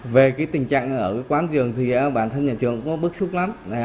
về cái tình trạng ở cái quán trường thì bản thân nhà trường cũng bức xúc lắm